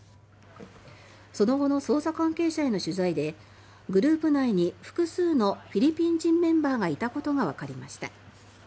その後の捜査関係者への取材でグループ内に複数のフィリピン人メンバーがいたことがわかりました。